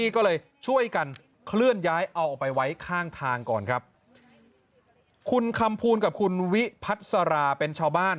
ก็เลยช่วยกันเคลื่อนย้ายเอาออกไปไว้ข้างทางก่อนครับคุณคำภูลกับคุณวิพัสราเป็นชาวบ้าน